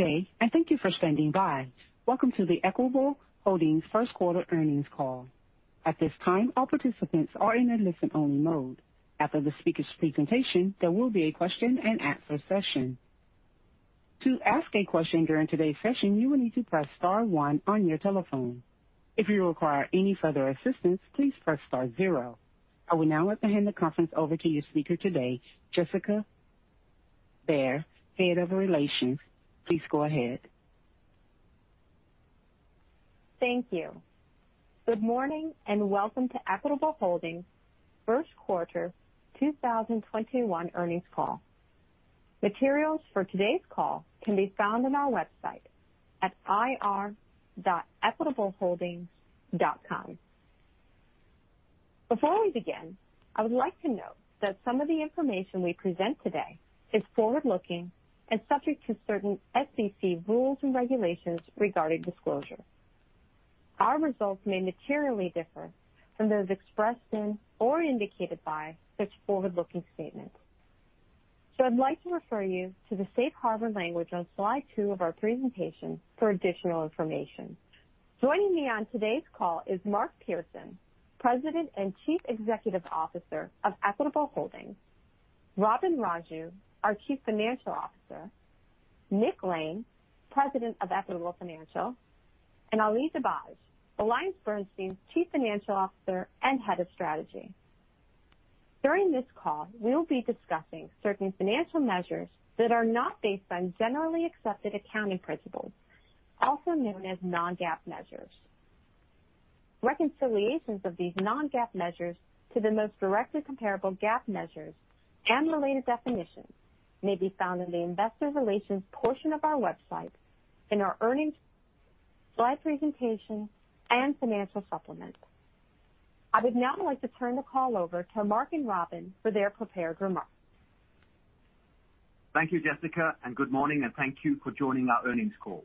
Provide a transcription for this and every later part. Good day. Thank you for standing by. Welcome to the Equitable Holdings first quarter earnings call. At this time, all participants are in a listen-only mode. After the speaker's presentation, there will be a question and answer session. To ask a question during today's session, you will need to press star one on your telephone. If you require any further assistance, please press star zero. I will now hand the conference over to your speaker today, Işıl Müderrisoğlu, Head of Investor Relations. Please go ahead. Thank you. Good morning. Welcome to Equitable Holdings first quarter 2021 earnings call. Materials for today's call can be found on our website at ir.equitableholdings.com. Before we begin, I would like to note that some of the information we present today is forward-looking and subject to certain SEC rules and regulations regarding disclosure. Our results may materially differ from those expressed in or indicated by such forward-looking statements. I'd like to refer you to the safe harbor language on slide two of our presentation for additional information. Joining me on today's call is Mark Pearson, President and Chief Executive Officer of Equitable Holdings, Robin Raju, our Chief Financial Officer, Nick Lane, President of Equitable Financial, and Ali Dibadj, AllianceBernstein's Chief Financial Officer and Head of Strategy. During this call, we'll be discussing certain financial measures that are not based on generally accepted accounting principles, also known as non-GAAP measures. Reconciliations of these non-GAAP measures to the most directly comparable GAAP measures and related definitions may be found in the Investor Relations portion of our website in our earnings slide presentation and financial supplement. I would now like to turn the call over to Mark and Robin for their prepared remarks. Thank you, Işıl. Good morning. Thank you for joining our earnings call.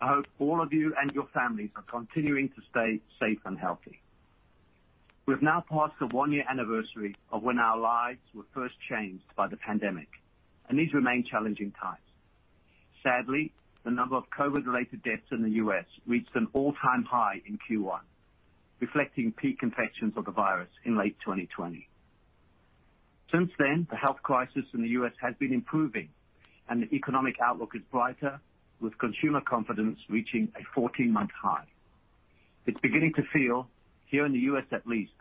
I hope all of you and your families are continuing to stay safe and healthy. We've now passed the one-year anniversary of when our lives were first changed by the pandemic. These remain challenging times. Sadly, the number of COVID-related deaths in the U.S. reached an all-time high in Q1, reflecting peak infections of the virus in late 2020. Since then, the health crisis in the U.S. has been improving. The economic outlook is brighter, with consumer confidence reaching a 14-month high. It's beginning to feel, here in the U.S. at least,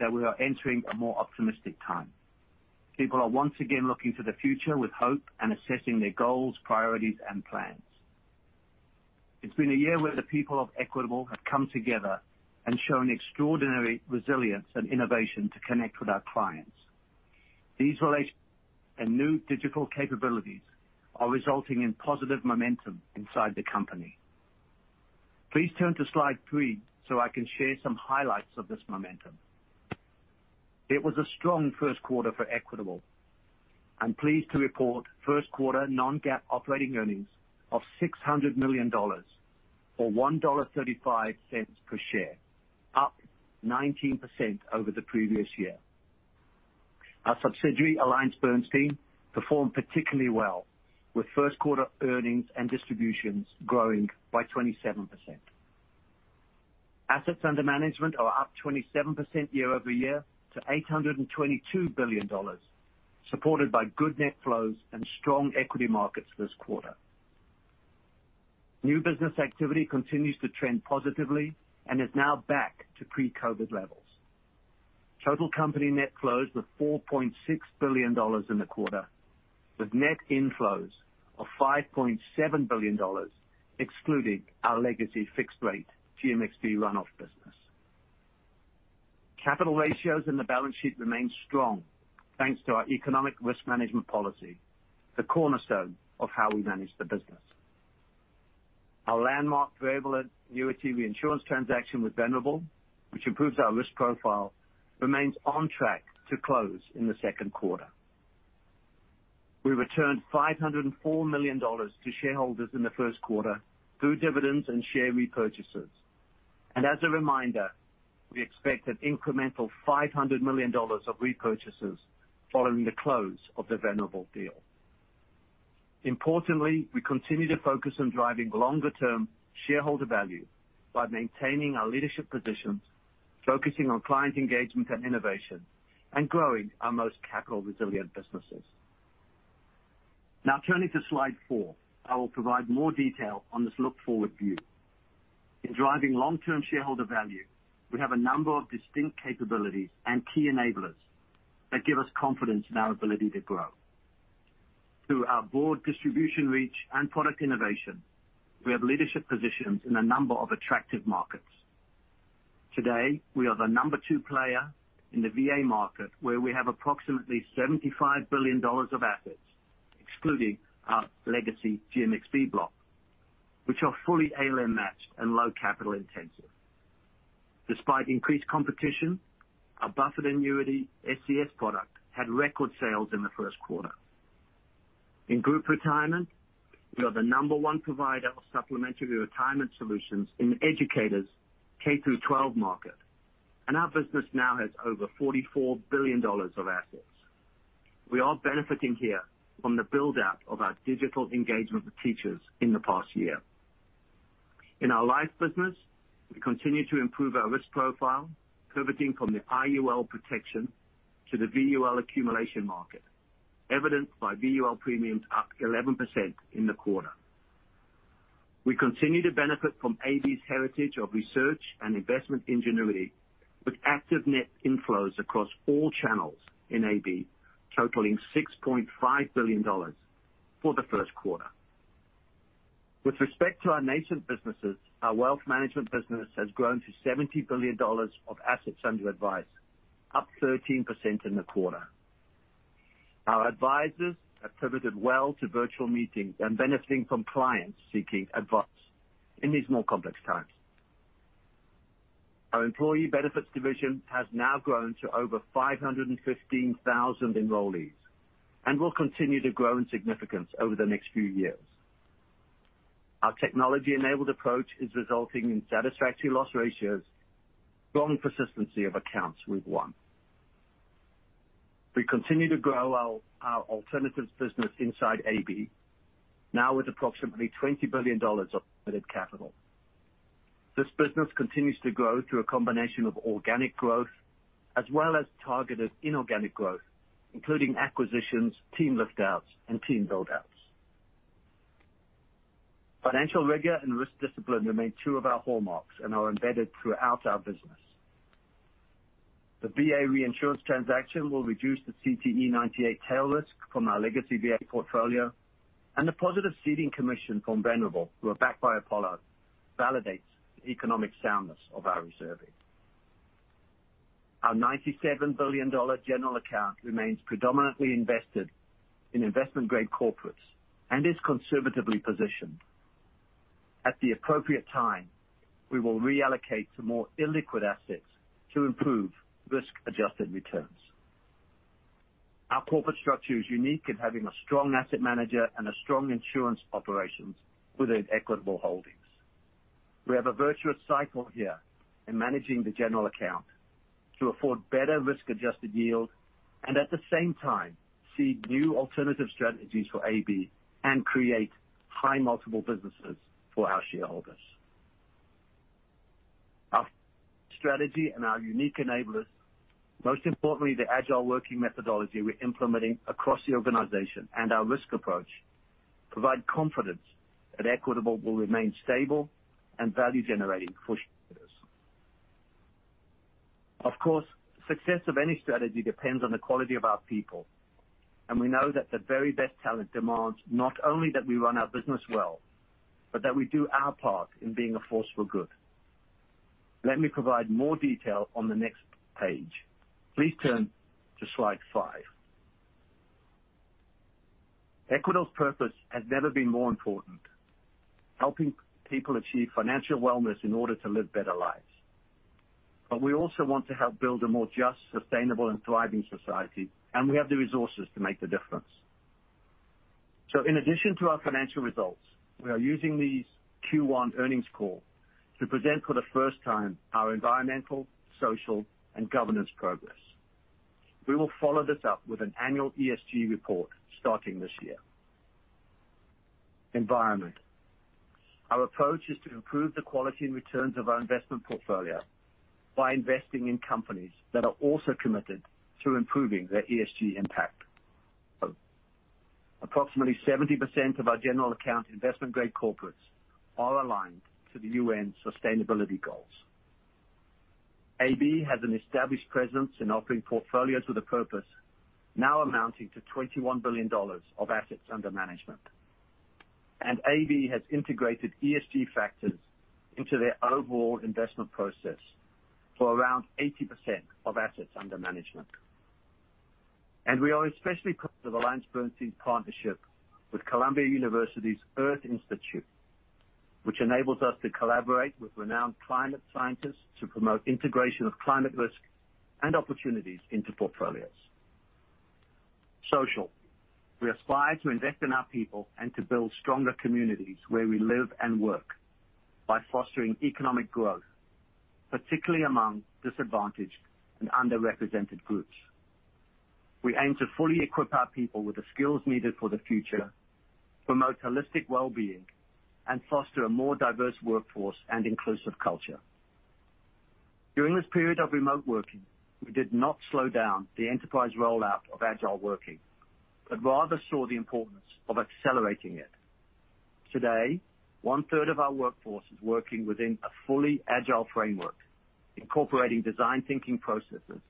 that we are entering a more optimistic time. People are once again looking to the future with hope and assessing their goals, priorities, and plans. It's been a year where the people of Equitable have come together and shown extraordinary resilience and innovation to connect with our clients. These relations and new digital capabilities are resulting in positive momentum inside the company. Please turn to slide three so I can share some highlights of this momentum. It was a strong first quarter for Equitable. I'm pleased to report first quarter non-GAAP operating earnings of $600 million, or $1.35 per share, up 19% over the previous year. Our subsidiary, AllianceBernstein, performed particularly well, with first quarter earnings and distributions growing by 27%. Assets under management are up 27% year-over-year to $822 billion, supported by good net flows and strong equity markets this quarter. New business activity continues to trend positively and is now back to pre-COVID levels. Total company net flows were $4.6 billion in the quarter, with net inflows of $5.7 billion excluding our legacy fixed-rate GMxB runoff business. Capital ratios in the balance sheet remain strong, thanks to our economic risk management policy, the cornerstone of how we manage the business. Our landmark variable annuity reinsurance transaction with Venerable, which improves our risk profile, remains on track to close in the second quarter. We returned $504 million to shareholders in the first quarter through dividends and share repurchases. As a reminder, we expect an incremental $500 million of repurchases following the close of the Venerable deal. Importantly, we continue to focus on driving longer-term shareholder value by maintaining our leadership positions, focusing on client engagement and innovation, and growing our most capital-resilient businesses. Turning to slide four, I will provide more detail on this look-forward view. In driving long-term shareholder value, we have a number of distinct capabilities and key enablers that give us confidence in our ability to grow. Through our broad distribution reach and product innovation, we have leadership positions in a number of attractive markets. Today, we are the number 2 player in the VA market, where we have approximately $75 billion of assets, excluding our legacy GMxB block, which are fully ALM matched and low capital intensive. Despite increased competition, our buffered annuity SCS product had record sales in the first quarter. In group retirement, we are the number 1 provider of supplementary retirement solutions in educators K through 12 market. Our business now has over $44 billion of assets. We are benefiting here from the build-out of our digital engagement with teachers in the past year. In our life business, we continue to improve our risk profile, pivoting from the IUL protection to the VUL accumulation market, evidenced by VUL premiums up 11% in the quarter. We continue to benefit from AB's heritage of research and investment ingenuity with active net inflows across all channels in AB, totaling $6.5 billion for the first quarter. With respect to our nascent businesses, our wealth management business has grown to $70 billion of assets under advice, up 13% in the quarter. Our advisors have pivoted well to virtual meetings and benefiting from clients seeking advice in these more complex times. Our employee benefits division has now grown to over 515,000 enrollees and will continue to grow in significance over the next few years. Our technology-enabled approach is resulting in satisfactory loss ratios, strong persistency of accounts with one. We continue to grow our alternatives business inside AB, now with approximately $20 billion of committed capital. This business continues to grow through a combination of organic growth as well as targeted inorganic growth, including acquisitions, team lift-outs, and team build-outs. Financial rigor and risk discipline remain two of our hallmarks and are embedded throughout our business. The VA reinsurance transaction will reduce the CTE 98 tail risk from our legacy VA portfolio, and the positive ceding commission from Venerable, who are backed by Apollo, validates the economic soundness of our reserving. Our $97 billion general account remains predominantly invested in investment-grade corporates and is conservatively positioned. At the appropriate time, we will reallocate to more illiquid assets to improve risk-adjusted returns. Our corporate structure is unique in having a strong asset manager and strong insurance operations within Equitable Holdings. We have a virtuous cycle here in managing the general account to afford better risk-adjusted yield and at the same time, seed new alternative strategies for AB and create high multiple businesses for our shareholders. Our strategy and our unique enablers, most importantly, the agile working methodology we're implementing across the organization and our risk approach, provide confidence that Equitable will remain stable and value-generating for shareholders. Of course, success of any strategy depends on the quality of our people, and we know that the very best talent demands not only that we run our business well, but that we do our part in being a force for good. Let me provide more detail on the next page. Please turn to slide five. Equitable's purpose has never been more important: helping people achieve financial wellness in order to live better lives. We also want to help build a more just, sustainable, and thriving society, and we have the resources to make the difference. In addition to our financial results, we are using this Q1 earnings call to present for the first time our environmental, social, and governance progress. We will follow this up with an annual ESG report starting this year. Environment. Our approach is to improve the quality and returns of our investment portfolio by investing in companies that are also committed to improving their ESG impact. Approximately 70% of our general account investment-grade corporates are aligned to the UN sustainability goals. AB has an established presence in offering portfolios with a purpose now amounting to $21 billion of assets under management. AB has integrated ESG factors into their overall investment process for around 80% of assets under management. We are especially proud of AllianceBernstein's partnership with Columbia University's Earth Institute, which enables us to collaborate with renowned climate scientists to promote integration of climate risk and opportunities into portfolios. Social. We aspire to invest in our people and to build stronger communities where we live and work by fostering economic growth, particularly among disadvantaged and underrepresented groups. We aim to fully equip our people with the skills needed for the future, promote holistic wellbeing, and foster a more diverse workforce and inclusive culture. During this period of remote working, we did not slow down the enterprise rollout of agile working, but rather saw the importance of accelerating it. Today, one-third of our workforce is working within a fully agile framework, incorporating design thinking processes,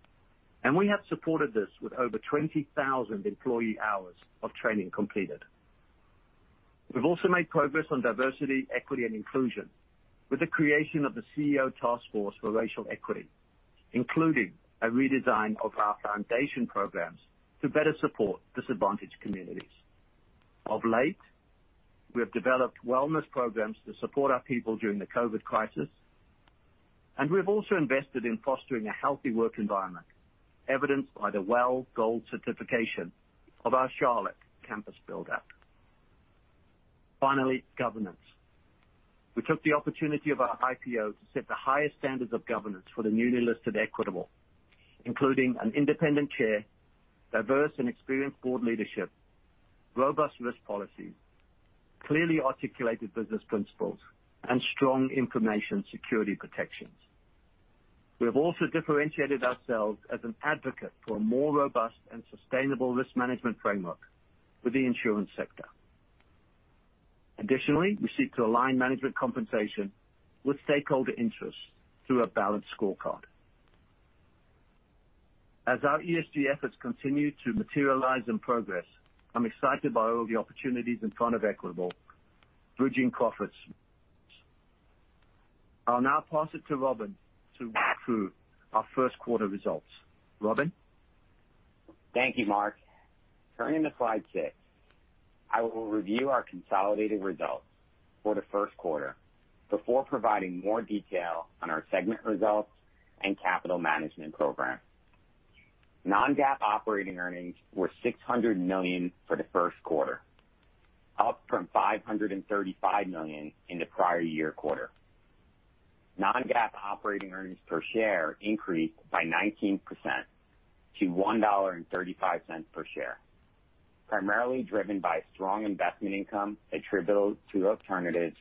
and we have supported this with over 20,000 employee hours of training completed. We've also made progress on diversity, equity, and inclusion with the creation of the CEO Task Force for Racial Equity, including a redesign of our foundation programs to better support disadvantaged communities. Of late, we have developed wellness programs to support our people during the COVID crisis, and we've also invested in fostering a healthy work environment, evidenced by the WELL gold certification of our Charlotte campus build-out. Finally, governance. We took the opportunity of our IPO to set the highest standards of governance for the newly listed Equitable, including an independent chair, diverse and experienced board leadership, robust risk policies, clearly articulated business principles, and strong information security protections. We have also differentiated ourselves as an advocate for a more robust and sustainable risk management framework for the insurance sector. We seek to align management compensation with stakeholder interests through a balanced scorecard. As our ESG efforts continue to materialize and progress, I'm excited by all the opportunities in front of Equitable bridging [profits]. I'll now pass it to Robin to walk through our first quarter results. Robin? Thank you, Mark. Turning to slide six, I will review our consolidated results for the first quarter before providing more detail on our segment results and capital management program. Non-GAAP operating earnings were $600 million for the first quarter, up from $535 million in the prior year quarter. Non-GAAP operating earnings per share increased by 19% to $1.35 per share, primarily driven by strong investment income attributable to alternatives,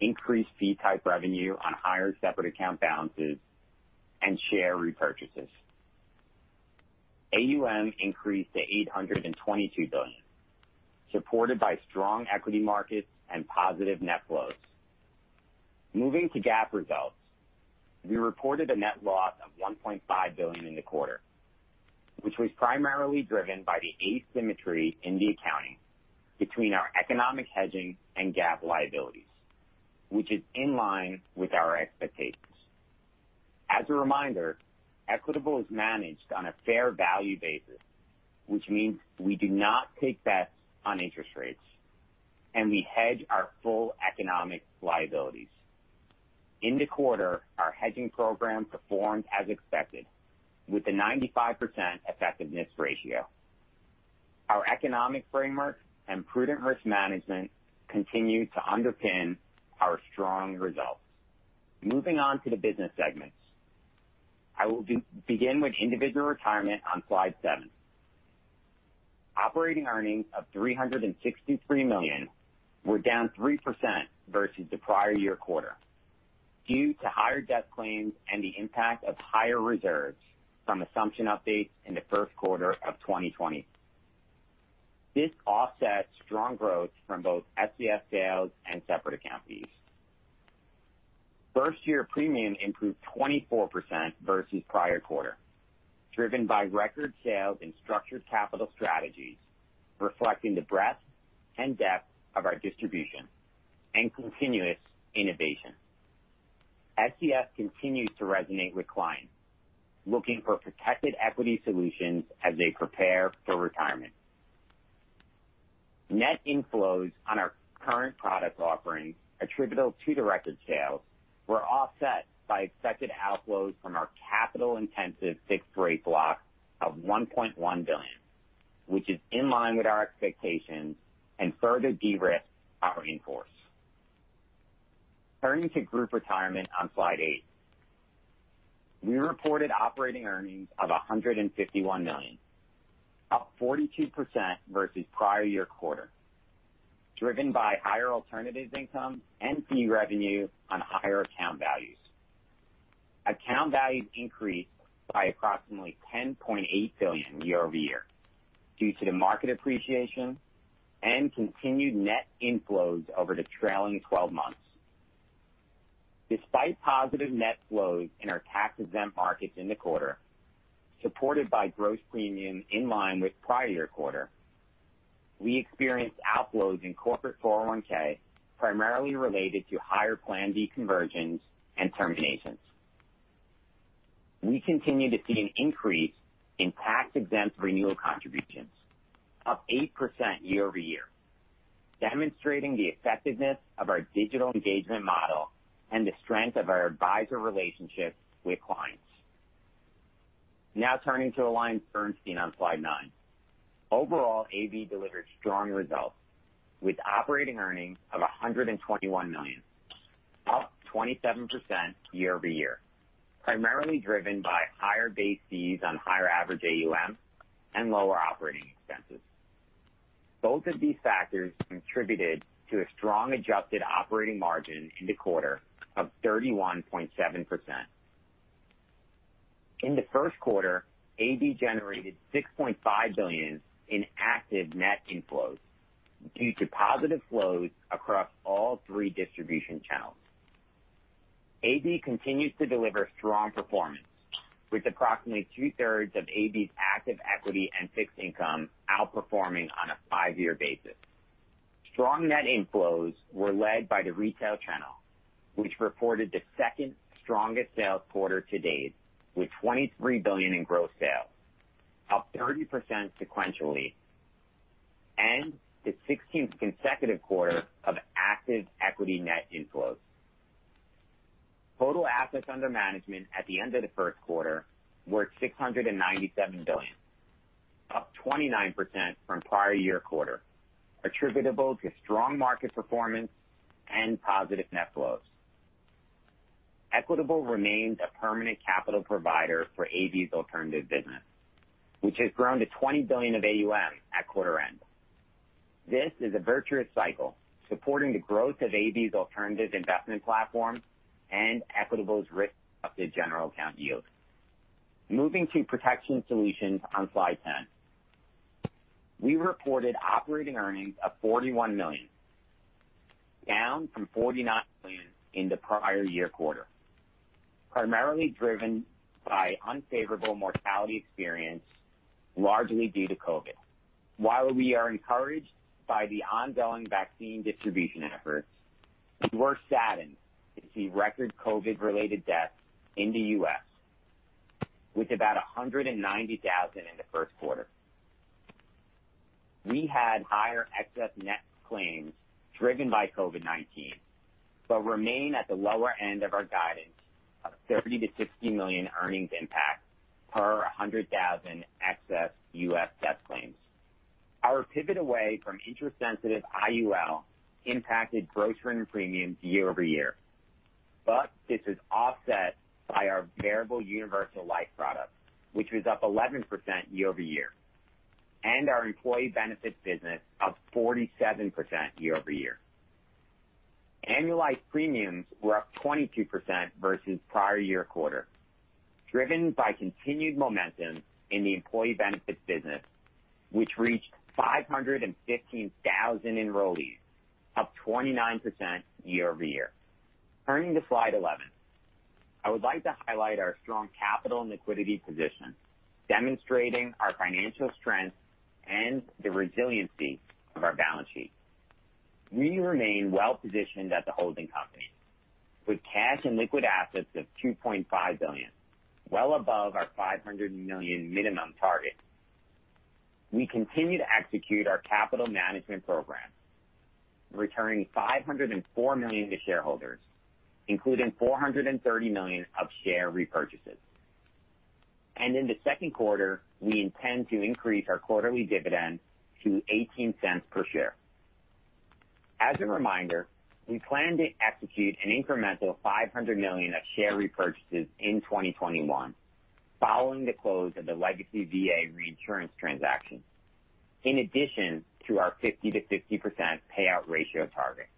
increased fee type revenue on higher separate account balances, and share repurchases. AUM increased to $822 billion, supported by strong equity markets and positive net flows. Moving to GAAP results, we reported a net loss of $1.5 billion in the quarter, which was primarily driven by the asymmetry in the accounting between our economic hedging and GAAP liabilities, which is in line with our expectations. As a reminder, Equitable is managed on a fair value basis, which means we do not take bets on interest rates, and we hedge our full economic liabilities. In the quarter, our hedging program performed as expected with a 95% effectiveness ratio. Our economic framework and prudent risk management continue to underpin our strong results. Moving on to the business segments. I will begin with individual retirement on slide seven. Operating earnings of $363 million were down 3% versus the prior year quarter due to higher death claims and the impact of higher reserves from assumption updates in the first quarter of 2020. This offsets strong growth from both SCS sales and separate account fees. First-year premium improved 24% versus prior quarter, driven by record sales and Structured Capital Strategies reflecting the breadth and depth of our distribution and continuous innovation. SCS continues to resonate with clients looking for protected equity solutions as they prepare for retirement. Net inflows on our current product offerings attributable to the record sales were offset by expected outflows from our capital-intensive fixed rate block of $1.1 billion, which is in line with our expectations and further de-risk our inforce. Turning to group retirement on slide eight. We reported operating earnings of $151 million, up 42% versus prior year quarter, driven by higher alternatives income and fee revenue on higher account values. Account values increased by approximately $10.8 billion year-over-year due to the market appreciation and continued net inflows over the trailing 12 months. Despite positive net flows in our tax-exempt markets in the quarter, supported by gross premium in line with prior year quarter, we experienced outflows in corporate 401(k), primarily related to higher plan deconversions and terminations. We continue to see an increase in tax-exempt renewal contributions, up 8% year-over-year, demonstrating the effectiveness of our digital engagement model and the strength of our advisor relationships with clients. Turning to AllianceBernstein on slide nine. Overall, AB delivered strong results with operating earnings of $121 million, up 27% year-over-year, primarily driven by higher base fees on higher average AUM and lower operating expenses. Both of these factors contributed to a strong adjusted operating margin in the quarter of 31.7%. In the first quarter, AB generated $6.5 billion in active net inflows due to positive flows across all three distribution channels. AB continues to deliver strong performance, with approximately two-thirds of AB's active equity and fixed income outperforming on a five-year basis. Strong net inflows were led by the retail channel, which reported the second strongest sales quarter to date with $23 billion in gross sales, up 30% sequentially, and the 16th consecutive quarter of active equity net inflows. Total assets under management at the end of the first quarter were $697 billion, up 29% from prior year quarter, attributable to strong market performance and positive net flows. Equitable remains a permanent capital provider for AB's alternative business, which has grown to $20 billion of AUM at quarter end. This is a virtuous cycle supporting the growth of AB's alternative investment platform and Equitable's risk of the general account yields. Moving to protection solutions on slide 10. We reported operating earnings of $41 million, down from $49 million in the prior year quarter, primarily driven by unfavorable mortality experience, largely due to COVID. While we are encouraged by the ongoing vaccine distribution efforts, we're saddened to see record COVID-related deaths in the U.S., with about 190,000 in the first quarter. We had higher excess net claims driven by COVID-19, but remain at the lower end of our guidance of $30 million-$60 million earnings impact per 100,000 excess U.S. death claims. Our pivot away from interest-sensitive IUL impacted gross written premiums year-over-year. This is offset by our Variable Universal Life product, which was up 11% year-over-year, and our employee benefits business, up 47% year-over-year. Annualized premiums were up 22% versus prior year quarter, driven by continued momentum in the employee benefits business, which reached 515,000 enrollees, up 29% year-over-year. Turning to slide 11, I would like to highlight our strong capital and liquidity position, demonstrating our financial strength and the resiliency of our balance sheet. We remain well-positioned at the holding company with cash and liquid assets of $2.5 billion, well above our $500 million minimum target. We continue to execute our capital management program, returning $504 million to shareholders, including $430 million of share repurchases. In the second quarter, we intend to increase our quarterly dividend to $0.18 per share. As a reminder, we plan to execute an incremental $500 million of share repurchases in 2021, following the close of the legacy VA reinsurance transaction, in addition to our 50%-60% payout ratio target.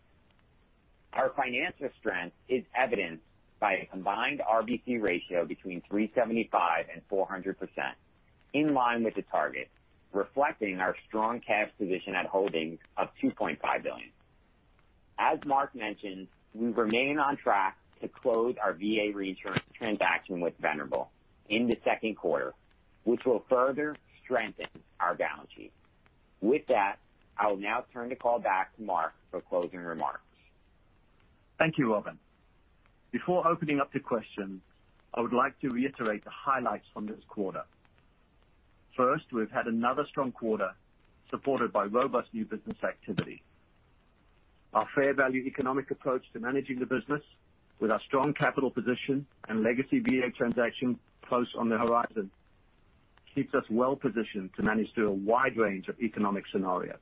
Our financial strength is evidenced by a combined RBC ratio between 375%-400%, in line with the target, reflecting our strong cash position at holdings of $2.5 billion. As Mark mentioned, we remain on track to close our VA reinsurance transaction with Venerable in the second quarter, which will further strengthen our balance sheet. With that, I will now turn the call back to Mark for closing remarks. Thank you, Robin. Before opening up to questions, I would like to reiterate the highlights from this quarter. First, we've had another strong quarter supported by robust new business activity. Our fair value economic approach to managing the business with our strong capital position and legacy VA transaction close on the horizon keeps us well positioned to manage through a wide range of economic scenarios.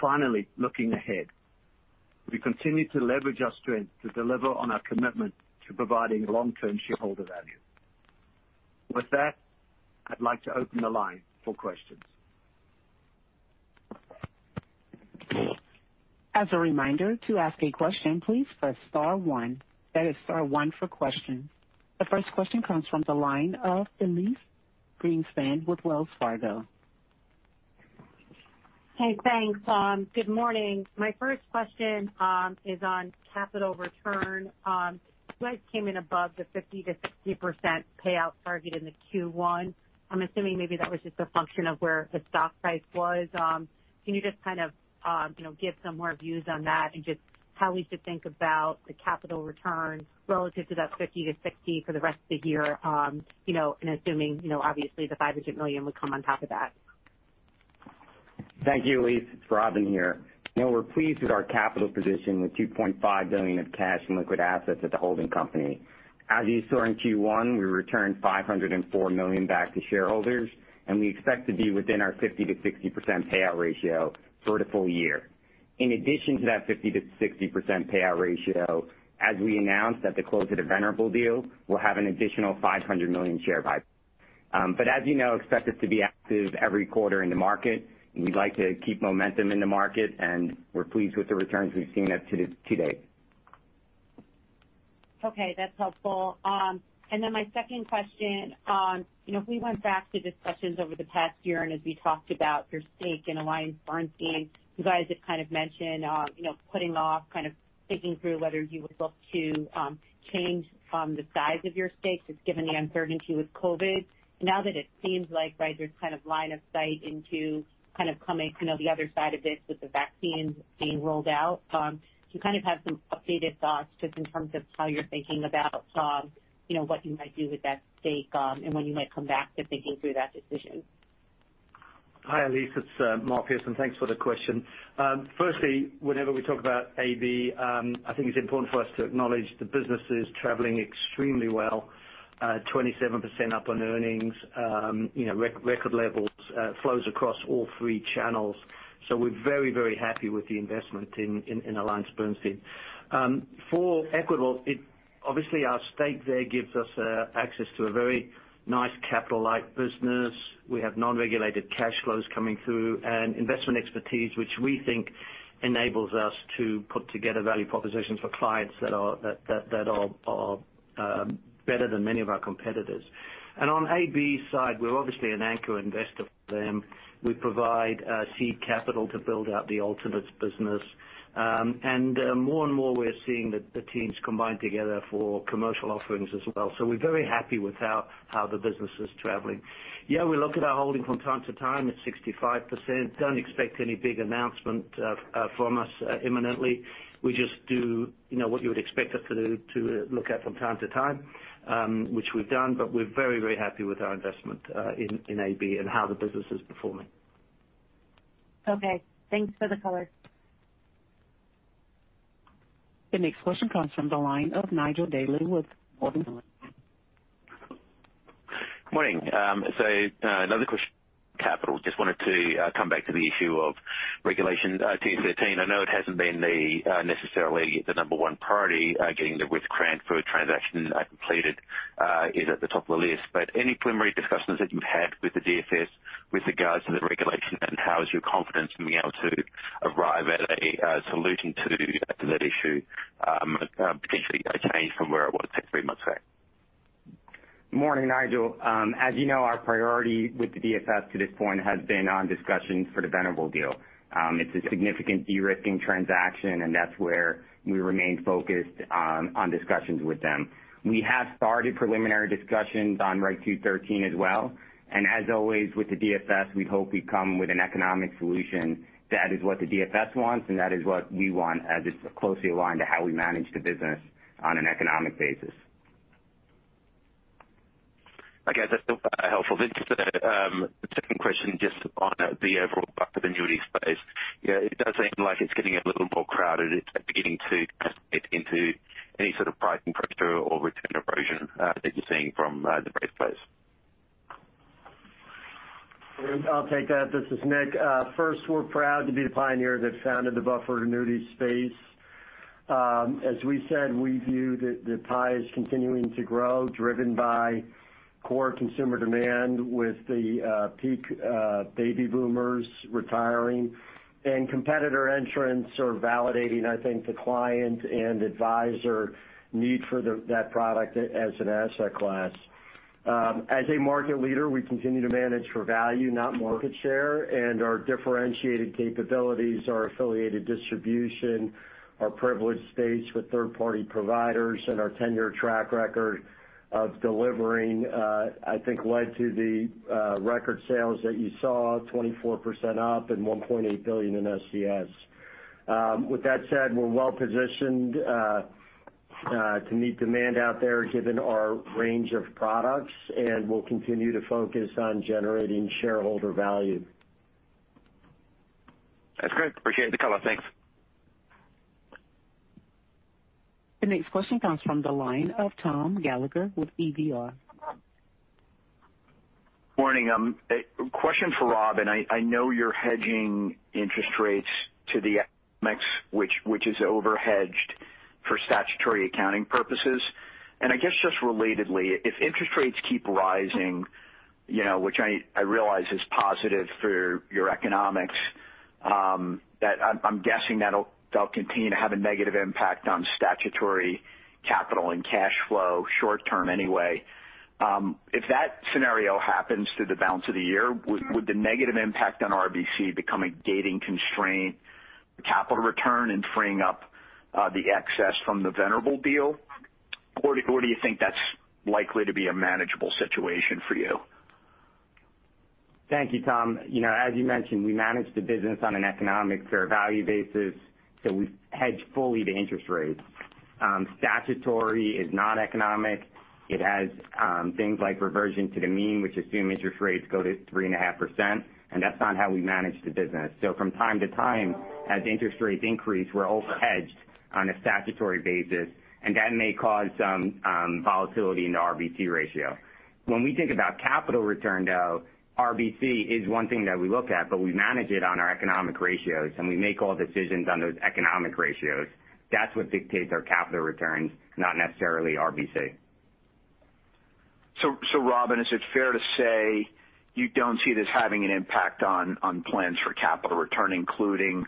Finally, looking ahead, we continue to leverage our strength to deliver on our commitment to providing long-term shareholder value. With that, I'd like to open the line for questions. As a reminder, to ask a question, please press star one. That is star one for questions. The first question comes from the line of Elyse Greenspan with Wells Fargo. Hey, thanks. Good morning. My first question is on capital return. You guys came in above the 50%-60% payout target in the Q1. I'm assuming maybe that was just a function of where the stock price was. Can you just give some more views on that and just how we should think about the capital return relative to that 50%-60% for the rest of the year, and assuming, obviously, the $500 million would come on top of that? Thank you, Elyse. It's Robin here. We're pleased with our capital position with $2.5 billion of cash and liquid assets at the holding company. As you saw in Q1, we returned $504 million back to shareholders, and we expect to be within our 50%-60% payout ratio for the full year. In addition to that 50%-60% payout ratio, as we announced at the close of the Venerable deal, we'll have an additional $500 million share buy. As you know, expect us to be active every quarter in the market, and we'd like to keep momentum in the market, and we're pleased with the returns we've seen up to date. Okay, that's helpful. My second question. If we went back to discussions over the past year, and as we talked about your stake in AllianceBernstein, you guys had mentioned putting off, thinking through whether you would look to change the size of your stake, just given the uncertainty with COVID. Now that it seems like there's line of sight into coming to the other side of this with the vaccines being rolled out, do you have some updated thoughts just in terms of how you're thinking about what you might do with that stake and when you might come back to thinking through that decision? Hi, Elyse. It's Mark Pearson. Thanks for the question. Firstly, whenever we talk about AB, I think it's important for us to acknowledge the business is traveling extremely well, 27% up on earnings, record levels, flows across all three channels. We're very happy with the investment in AllianceBernstein. For Equitable, obviously, our stake there gives us access to a very nice capital-like business. We have non-regulated cash flows coming through and investment expertise, which we think enables us to put together value propositions for clients that are better than many of our competitors. On AB's side, we're obviously an anchor investor for them. We provide seed capital to build out the alternates business. More and more, we're seeing the teams combine together for commercial offerings as well. We're very happy with how the business is traveling. Yeah, we look at our holding from time to time at 65%. Don't expect any big announcement from us imminently. We just do what you would expect us to do to look at from time to time, which we've done, but we're very happy with our investment in AB and how the business is performing. Okay. Thanks for the color. The next question comes from the line of Nigel D'Arcy with Morgan Stanley. Good morning. Another question on capital. Just wanted to come back to the issue of Regulation 213. I know it hasn't been necessarily the number one priority, getting the with [Cranford] transaction completed is at the top of the list. Any preliminary discussions that you've had with the DFS with regards to the regulation, and how is your confidence in being able to arrive at a solution to that issue, potentially a change from where it was six, three months back? Morning, Nigel. As you know, our priority with the DFS to this point has been on discussions for the Venerable deal. It's a significant de-risking transaction, and that's where we remain focused on discussions with them. We have started preliminary discussions on Reg 213 as well. As always, with the DFS, we hope we come with an economic solution that is what the DFS wants, and that is what we want as it's closely aligned to how we manage the business on an economic basis. Okay. That's helpful. Just the second question on the overall buffer annuity space. It does seem like it's getting a little more crowded. It's beginning to translate into any sort of pricing pressure or return erosion that you're seeing from the marketplace. I'll take that. This is Nick. First, we're proud to be the pioneer that founded the buffered annuity space. As we said, we view the pie as continuing to grow, driven by core consumer demand with the peak baby boomers retiring. Competitor entrants are validating, I think, the client and advisor need for that product as an asset class. As a market leader, we continue to manage for value, not market share. Our differentiated capabilities, our affiliated distribution, our privileged space with third-party providers, and our tenure track record of delivering I think led to the record sales that you saw, 24% up and $1.8 billion in SCS. With that said, we're well-positioned to meet demand out there given our range of products. We'll continue to focus on generating shareholder value. That's great. Appreciate the color. Thanks. The next question comes from the line of Tom Gallagher with Evercore. Morning. A question for Robin, I know you're hedging interest rates to the mix which is over-hedged for statutory accounting purposes. I guess just relatedly, if interest rates keep rising, which I realize is positive for your economics, I'm guessing that'll continue to have a negative impact on statutory capital and cash flow, short-term anyway. If that scenario happens through the balance of the year, would the negative impact on RBC become a gating constraint for capital return and freeing up the excess from the Venerable deal? Do you think that's likely to be a manageable situation for you? Thank you, Tom. As you mentioned, we manage the business on an economic fair value basis, we hedge fully the interest rates. Statutory is not economic. It has things like reversion to the mean, which assume interest rates go to 3.5%, that's not how we manage the business. From time to time, as interest rates increase, we're over-hedged on a statutory basis, that may cause some volatility in the RBC ratio. When we think about capital return, though, RBC is one thing that we look at, we manage it on our economic ratios, we make all decisions on those economic ratios. That's what dictates our capital returns, not necessarily RBC. Robin, is it fair to say you don't see this having an impact on plans for capital return, including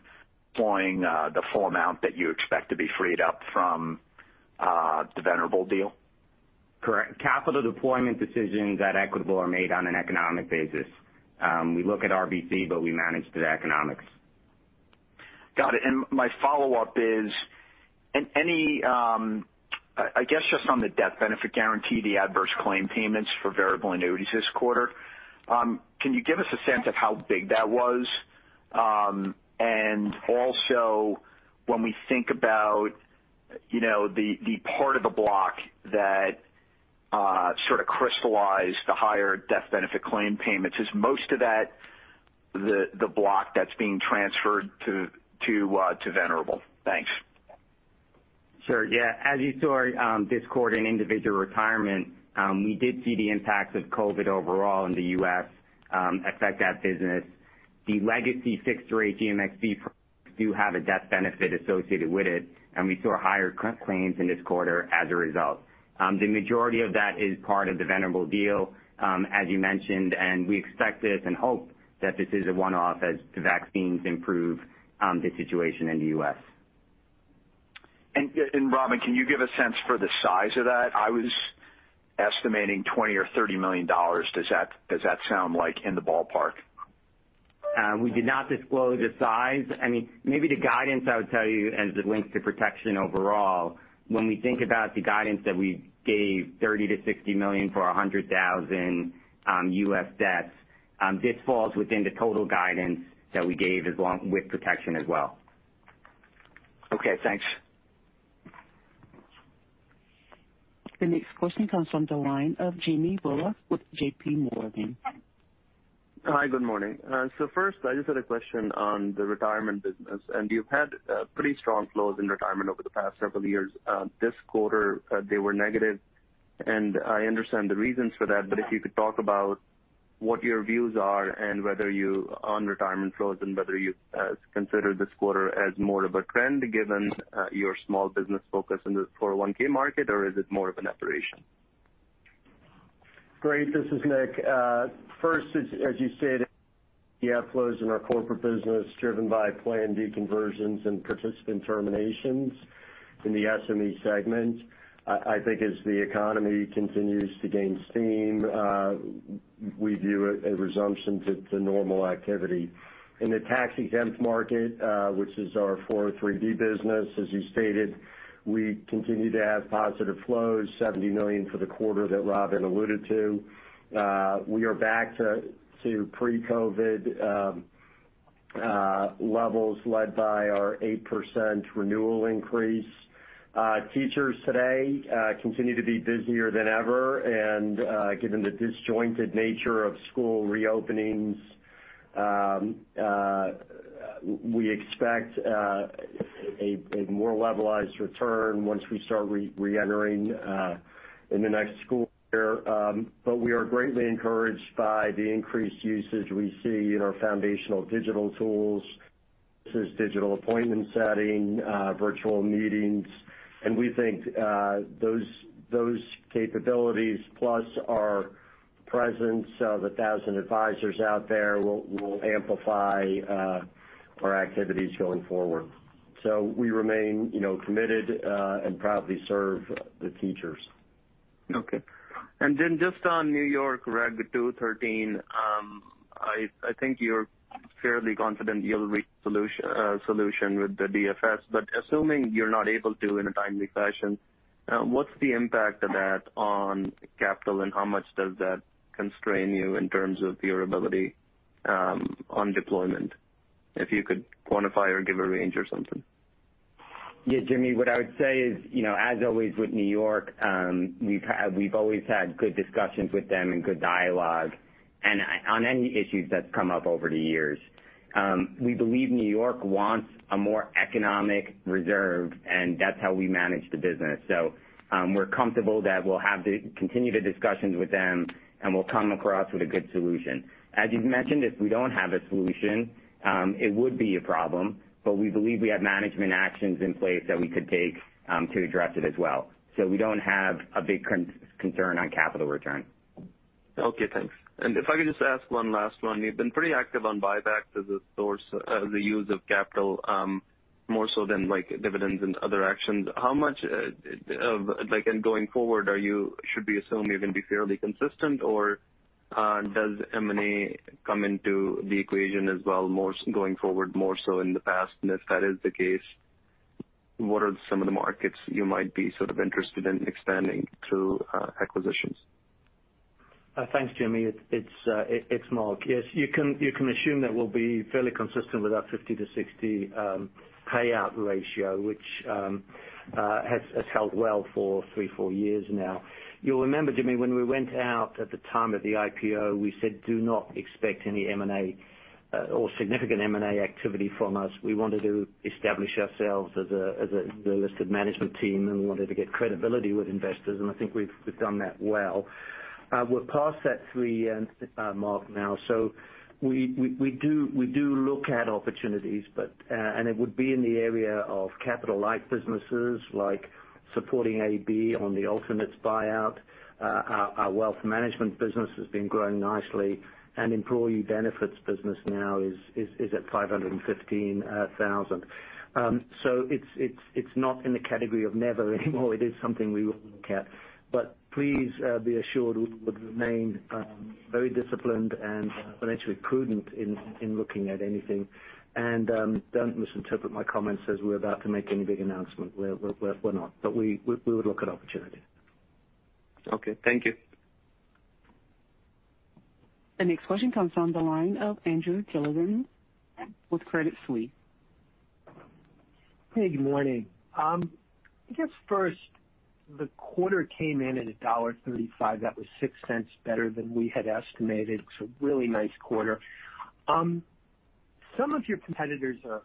deploying the full amount that you expect to be freed up from the Venerable deal? Correct. Capital deployment decisions at Equitable are made on an economic basis. We look at RBC, but we manage to the economics. My follow-up is, on the death benefit guarantee, the adverse claim payments for variable annuities this quarter, can you give us a sense of how big that was? Also when we think about the part of the block that sort of crystallized the higher death benefit claim payments. Is most of that the block that's being transferred to Venerable? Thanks. Sure. As you saw this quarter in individual retirement, we did see the impacts of COVID overall in the U.S. affect that business. The legacy fixed rate GMxB products do have a death benefit associated with it, and we saw higher claims in this quarter as a result. The majority of that is part of the Venerable deal, as you mentioned, we expect this and hope that this is a one-off as the vaccines improve the situation in the U.S. Robin, can you give a sense for the size of that? I was estimating $20 million or $30 million. Does that sound like in the ballpark? We did not disclose the size. Maybe the guidance I would tell you as it links to protection overall, when we think about the guidance that we gave, $30 million-$60 million for 100,000 U.S. deaths, this falls within the total guidance that we gave along with protection as well. Okay, thanks. The next question comes from the line of Jimmy Bhullar with JPMorgan. Hi, good morning. First, I just had a question on the retirement business, you've had pretty strong flows in retirement over the past several years. This quarter, they were negative, I understand the reasons for that, if you could talk about what your views are on retirement flows, and whether you consider this quarter as more of a trend given your small business focus in the 401(k) market, or is it more of an aberration? Great. This is Nick. First, as you stated, the outflows in our corporate business driven by plan deconversions and participant terminations in the SME segment. I think as the economy continues to gain steam, we view it a resumption to normal activity. In the tax-exempt market, which is our 403 business, as you stated, we continue to have positive flows, $70 million for the quarter that Robin alluded to. We are back to pre-COVID levels led by our 8% renewal increase. Teachers today continue to be busier than ever, and given the disjointed nature of school reopenings, we expect a more levelized return once we start re-entering in the next school year. We are greatly encouraged by the increased usage we see in our foundational digital tools, such as digital appointment setting, virtual meetings. We think those capabilities, plus our presence of 1,000 advisors out there will amplify our activities going forward. We remain committed and proudly serve the teachers. Okay. Just on New York Reg 213, I think you're fairly confident you'll reach a solution with the DFS, assuming you're not able to in a timely fashion, what's the impact of that on capital, and how much does that constrain you in terms of your ability on deployment? If you could quantify or give a range or something. Yeah, Jimmy, what I would say is, as always with New York, we've always had good discussions with them and good dialogue on any issues that's come up over the years. We believe New York wants a more economic reserve, and that's how we manage the business. We're comfortable that we'll have the continued discussions with them, we'll come across with a good solution. As you've mentioned, if we don't have a solution, it would be a problem, we believe we have management actions in place that we could take to address it as well. We don't have a big concern on capital return. Okay, thanks. If I could just ask one last one. You've been pretty active on buybacks as a source, the use of capital, more so than dividends and other actions. How much of going forward, should we assume you're going to be fairly consistent, or does M&A come into the equation as well going forward, more so in the past? If that is the case, what are some of the markets you might be sort of interested in expanding to acquisitions? Thanks, Jimmy. It's Mark. Yes, you can assume that we'll be fairly consistent with our 50-60 payout ratio, which has held well for three, four years now. You'll remember, Jimmy, when we went out at the time of the IPO, we said, do not expect any M&A or significant M&A activity from us. We wanted to establish ourselves as a listed management team, we wanted to get credibility with investors, and I think we've done that well. We're past that three-year mark now, we do look at opportunities, and it would be in the area of capital-like businesses like supporting AB on the alt buyout. Our wealth management business has been growing nicely, employee benefits business now is at $515,000. It's not in the category of never anymore it is something we will look at. Please be assured we would remain very disciplined and financially prudent in looking at anything. Don't misinterpret my comments as we're about to make any big announcement. We're not. We would look at opportunities. Okay. Thank you. The next question comes from the line of Andrew Kligerman with Credit Suisse. Hey, good morning. I guess first, the quarter came in at a $1.35. That was $0.06 better than we had estimated. It's a really nice quarter. Some of your competitors are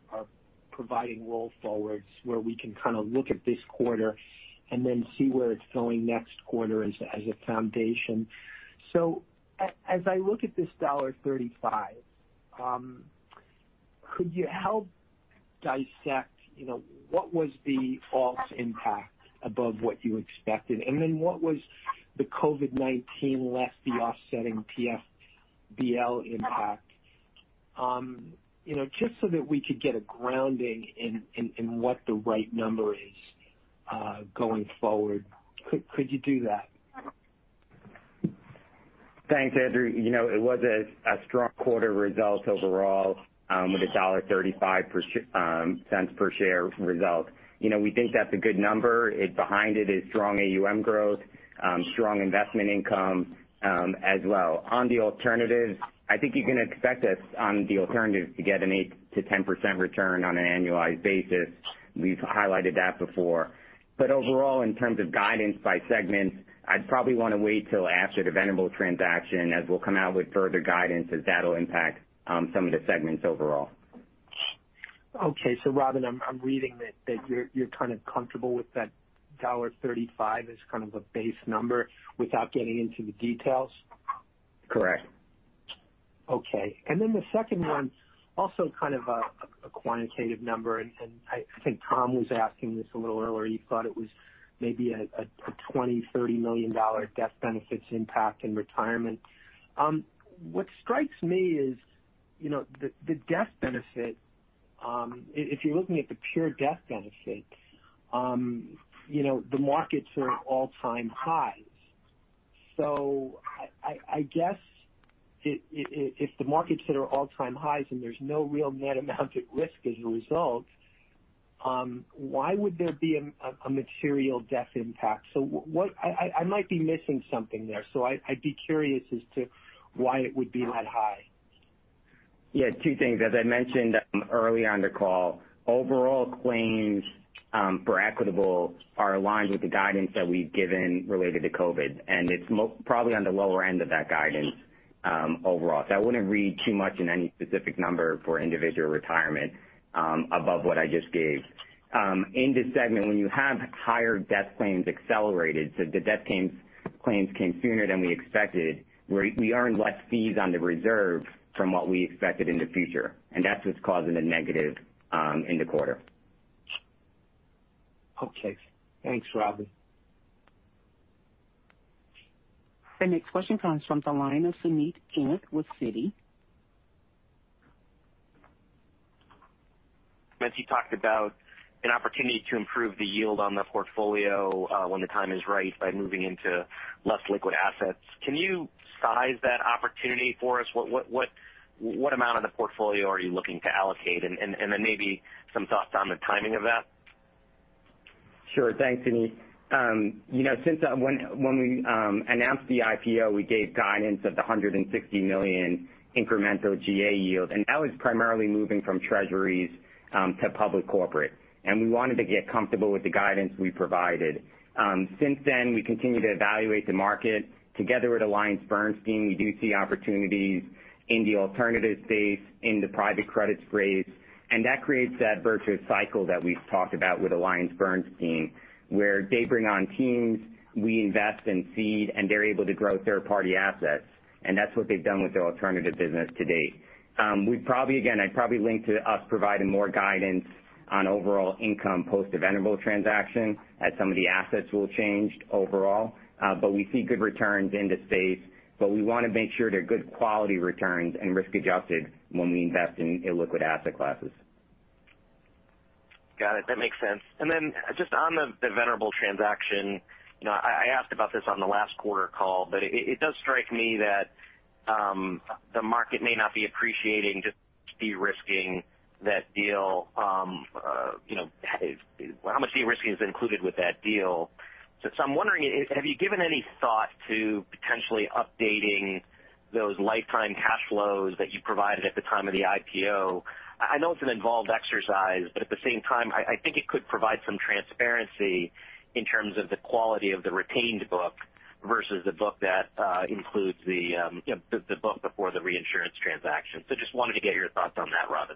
providing roll forwards where we can kind of look at this quarter and then see where it's going next quarter as a foundation. As I look at this $1.35, could you help dissect what was the alt impact above what you expected? What was the COVID-19 less the offsetting PFBL impact? Just so that we could get a grounding in what the right number is going forward. Could you do that? Thanks, Andrew. It was a strong quarter result overall, with $1.35 per share result. We think that's a good number. Behind it is strong AUM growth, strong investment income as well. On the alternatives, I think you can expect us on the alternatives to get an 8%-10% return on an annualized basis. We've highlighted that before. Overall, in terms of guidance by segments, I'd probably want to wait till after the Venerable transaction as we'll come out with further guidance as that'll impact some of the segments overall. Okay. Robin, I'm reading that you're kind of comfortable with that $1.35 as kind of a base number without getting into the details? Correct. Okay. The second one, also kind of a quantitative number. I think Tom was asking this a little earlier, he thought it was maybe a $20 million-$30 million death benefits impact in retirement. What strikes me is, the death benefit, if you're looking at the pure death benefit, the markets are at all-time highs. I guess if the markets that are all-time highs and there's no real net amount at risk as a result, why would there be a material death impact? I might be missing something there. I'd be curious as to why it would be that high. Yeah, two things. As I mentioned early on the call, overall claims for Equitable are aligned with the guidance that we've given related to COVID. It's probably on the lower end of that guidance overall. I wouldn't read too much in any specific number for individual retirement above what I just gave. In this segment, when you have higher death claims accelerated, the death claims came sooner than we expected, we earn less fees on the reserve from what we expected in the future. That's what's causing the negative in the quarter. Okay. Thanks, Robin. The next question comes from the line of Suneet Kamath with Citi. [Menzie] talked about an opportunity to improve the yield on the portfolio when the time is right by moving into less liquid assets. Can you size that opportunity for us? What amount of the portfolio are you looking to allocate, and then maybe some thoughts on the timing of that? Sure. Thanks, Suneet. When we announced the IPO, we gave guidance of the $160 million incremental GA yield, that was primarily moving from treasuries to public corporate, and we wanted to get comfortable with the guidance we provided. Since then, we continue to evaluate the market together with AllianceBernstein. We do see opportunities in the alternatives space, in the private credit space, that creates that virtuous cycle that we've talked about with AllianceBernstein, where they bring on teams, we invest and seed, and they're able to grow third-party assets. That's what they've done with their alternative business to date. I'd probably link to us providing more guidance on overall income post the Venerable transaction, as some of the assets will change overall. We see good returns in the space, but we want to make sure they're good quality returns and risk adjusted when we invest in illiquid asset classes. Got it. That makes sense. Then just on the Venerable transaction, I asked about this on the last quarter call, but it does strike me that the market may not be appreciating just de-risking that deal, how much de-risking is included with that deal. I'm wondering, have you given any thought to potentially updating those lifetime cash flows that you provided at the time of the IPO? I know it's an involved exercise, but at the same time, I think it could provide some transparency in terms of the quality of the retained book versus the book before the reinsurance transaction. Just wanted to get your thoughts on that, Robin.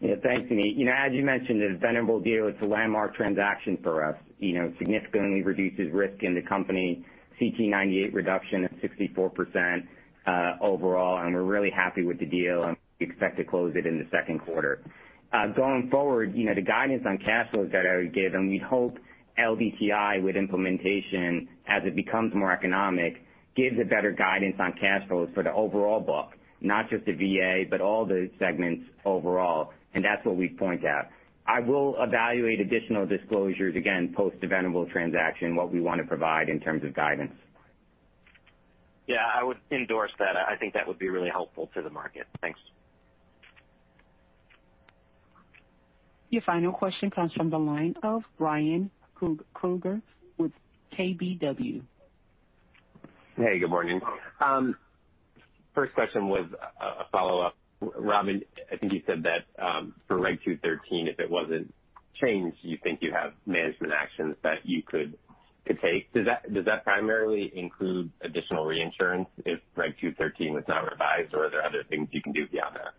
Yeah. Thanks, Suneet. As you mentioned, the Venerable deal, it's a landmark transaction for us. Significantly reduces risk in the company. CTE 98 reduction of 64% overall, and we're really happy with the deal, and we expect to close it in the second quarter. Going forward, the guidance on cash flows that I would give, and we hope LDTI with implementation, as it becomes more economic, gives a better guidance on cash flows for the overall book, not just the VA, but all the segments overall, and that's what we'd point at. I will evaluate additional disclosures again post the Venerable transaction, what we want to provide in terms of guidance. Yeah, I would endorse that. I think that would be really helpful to the market. Thanks. Your final question comes from the line of Ryan Krueger with KBW. Hey, good morning. First question was a follow-up. Robin, I think you said that for Reg 213, if it wasn't changed, you think you have management actions that you could take. Does that primarily include additional reinsurance if Reg 213 was not revised, or are there other things you can do beyond that?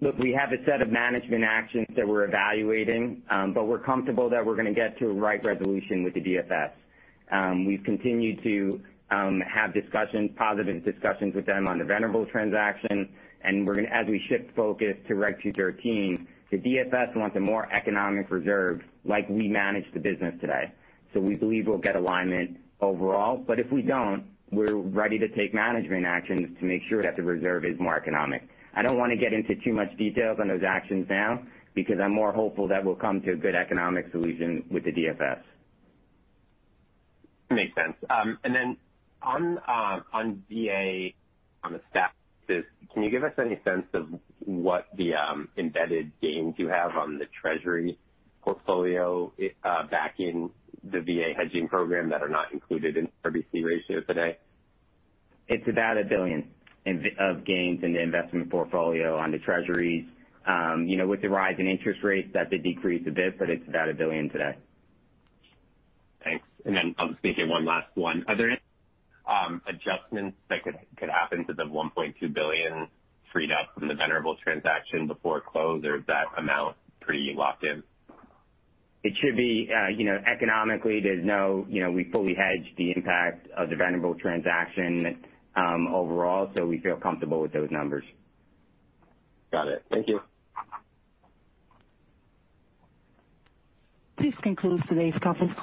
Look, we have a set of management actions that we're evaluating, but we're comfortable that we're going to get to a right resolution with the DFS. We've continued to have positive discussions with them on the Venerable transaction, and as we shift focus to Regulation 213, the DFS wants a more economic reserve like we manage the business today. We believe we'll get alignment overall, but if we don't, we're ready to take management actions to make sure that the reserve is more economic. I don't want to get into too much details on those actions now because I'm more hopeful that we'll come to a good economic solution with the DFS. Makes sense. Then on VA, on the status, can you give us any sense of what the embedded gains you have on the treasury portfolio back in the VA hedging program that are not included in RBC ratio today? It's about $1 billion of gains in the investment portfolio on the treasuries. With the rise in interest rates, that did decrease a bit, but it's about $1 billion today. Thanks. Then I'll sneak in one last one. Are there any adjustments that could happen to the $1.2 billion freed up from the Venerable transaction before close, or is that amount pretty locked in? It should be. Economically, we fully hedged the impact of the Venerable transaction overall, so we feel comfortable with those numbers. Got it. Thank you. This concludes today's conference call.